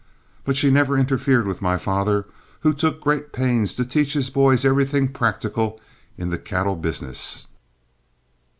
But she never interfered with my father, who took great pains to teach his boys everything practical in the cattle business.